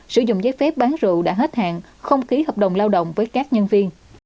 sử dụng giấy phép bán rượu đã hết hạn không ký hợp đồng lao động với các nhân viên